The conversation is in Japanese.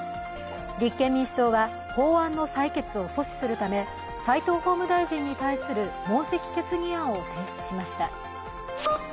立憲民主党は法案の採決を阻止するため、法務大臣に対する問責決議案を提出しました。